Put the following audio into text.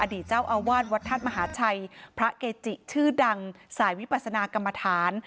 เจ้าอาวาสวัดธาตุมหาชัยพระเกจิชื่อดังสายวิปัสนากรรมฐาน